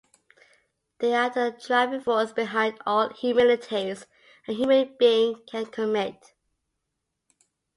They are the driving force behind all inhumanities a human being can commit.